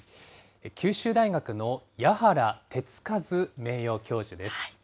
九州大学の矢原徹一名誉教授です。